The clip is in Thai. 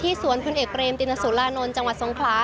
มูลนิธิสวนพลึงเอกเกรมติดและศุลาโน้นจังหวัดทรงคล้า